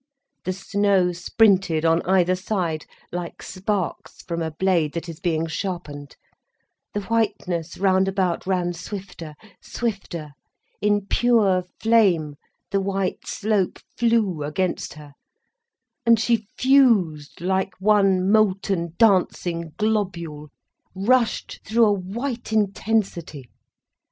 The snow sprinted on either side, like sparks from a blade that is being sharpened, the whiteness round about ran swifter, swifter, in pure flame the white slope flew against her, and she fused like one molten, dancing globule, rushed through a white intensity.